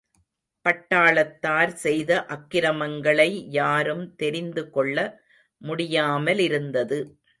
பட்டாளத்தார் செய்த அக்கிரமங்களை யாரும் தெரிந்து கொள்ள முடியாமலிருந்தது.